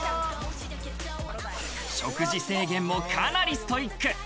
食事制限もかなりストイック。